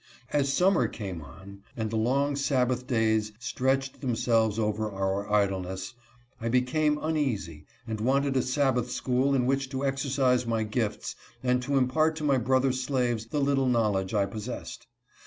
As summer came on and the long Sabbath days stretched themselves over our idleness, I became uneasy and wanted a Sabbath school in which to exercise my gifts and to impart to my brother slaves the little knowledge I possessed.